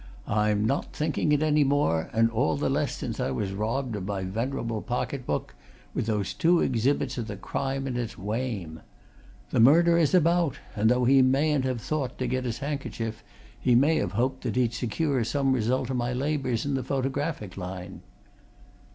"I'm not thinking it any more, and all the less since I was robbed of my venerable pocket book, with those two exhibits o' the crime in its wame. The murderer is about! and though he mayn't have thought to get his handkerchief, he may have hoped that he'd secure some result o' my labours in the photographic line."